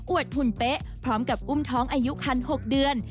หุ่นเป๊ะพร้อมกับอุ้มท้องอายุคัน๖เดือน